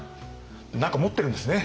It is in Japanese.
何か持ってるんですね